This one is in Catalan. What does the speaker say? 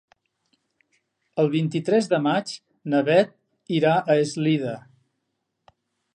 El vint-i-tres de maig na Beth irà a Eslida.